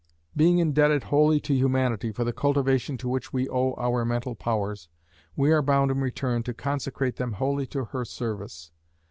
Being indebted wholly to Humanity for the cultivation to which we owe our mental powers, we are bound in return to consecrate them wholly to her service.